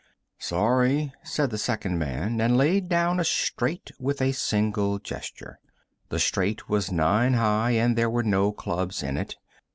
"Sorry," said the second man, and laid down a straight with a single gesture. The straight was nine high and there were no clubs in it.